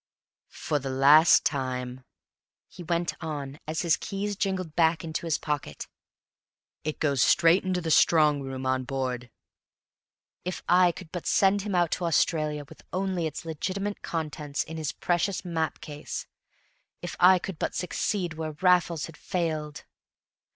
"For the last time," he went on, as his keys jingled back into his pocket. "It goes straight into the strong room on board." For the last time! If I could but send him out to Australia with only its legitimate contents in his precious map case! If I could but succeed where Raffles had failed!